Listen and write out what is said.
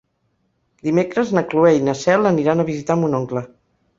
Dimecres na Cloè i na Cel aniran a visitar mon oncle.